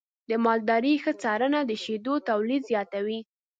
د مالدارۍ ښه څارنه د شیدو تولید زیاتوي.